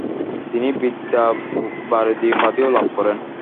তিনি ‘বিদ্যাবারিধি’ উপাধিও লাভ করেন।